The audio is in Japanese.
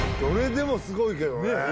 どれでもすごいけどね